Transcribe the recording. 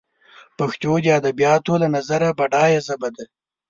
پښتو دادبیاتو له نظره بډایه ژبه ده